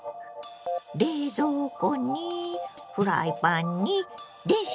冷蔵庫にフライパンに電子レンジ。